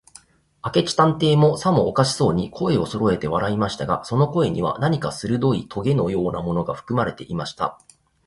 明智探偵も、さもおかしそうに、声をそろえて笑いましたが、その声には、何かするどいとげのようなものがふくまれていました。